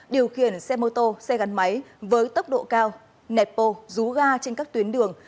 điều khiển xe mô tô xe gắn máy với tốc độ cao nẹt bô rú ga trên các tuyến đường